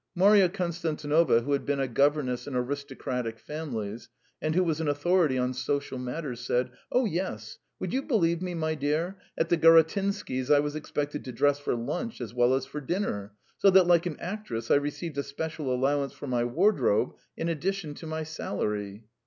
Marya Konstantinovna, who had been a governess in aristocratic families and who was an authority on social matters, said: "Oh yes! Would you believe me, my dear, at the Garatynskys' I was expected to dress for lunch as well as for dinner, so that, like an actress, I received a special allowance for my wardrobe in addition to my salary."